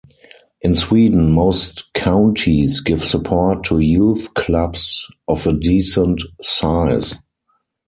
In Sweden, most counties give support to youth clubs of a decent size.